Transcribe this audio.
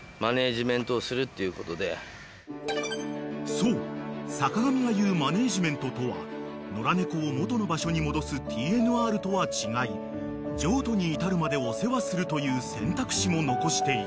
［そう坂上が言うマネジメントとは野良猫を元の場所に戻すＴＮＲとは違い譲渡に至るまでお世話するという選択肢も残している］